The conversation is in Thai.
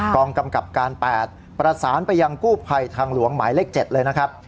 กองกำกับการ๘ประสานไปยังกู้ภัยทางหลวงหมายเลข๗เลยนะครับ